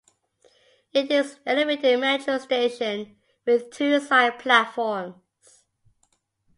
It is an elevated metro station with two side platforms.